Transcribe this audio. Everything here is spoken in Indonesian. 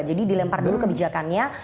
jadi dilempar dulu kebijakannya